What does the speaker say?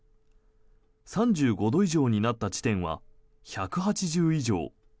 ３５度以上になった地点は１８０以上。